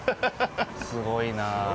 すごいなあ。